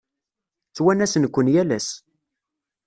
Ttwanasen-ken yal ass.